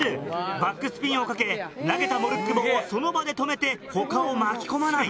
バックスピンをかけ投げたモルック棒をその場で止めて他を巻き込まない。